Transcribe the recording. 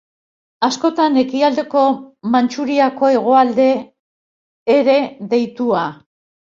Askotan Ekialdeko Mantxuriako hegoalde ere deitua.